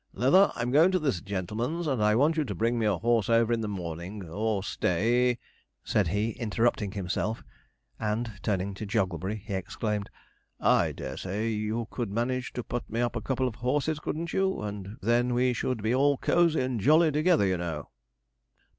'Leather, I'm going to this gentleman's, and I want you to bring me a horse over in the morning; or stay,' said he, interrupting himself, and, turning to Jogglebury, he exclaimed, 'I dare say you could manage to put me up a couple of horses, couldn't you? and then we should be all cosy and jolly together, you know.'